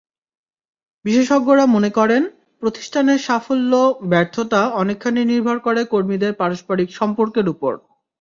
বিশেষজ্ঞরা মনে করেন, প্রতিষ্ঠানের সাফল্য-ব্যর্থতা অনেকখানি নির্ভর করে কর্মীদের পারস্পরিক সম্পর্কের ওপর।